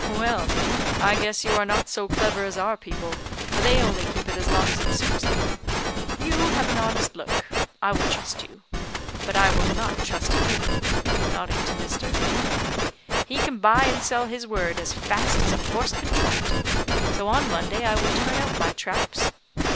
"Well, I guess you are not so clever as our people, for they only keep it as long as it suits them. You have an honest look; I will trust you; but I will not trust him," nodding to Mr. , "he can buy and sell his word as fast as a horse can trot. So on Monday I will turn out my traps.